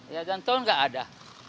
ya dan tol nggak ada